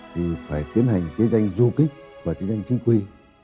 thì phải tiến hành chiến tranh du kích và chiến tranh chính quy